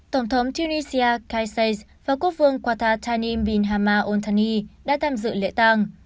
tổng thống tunisia kayseri và quốc vương qatatani bin hama ontani đã tham dự lễ tăng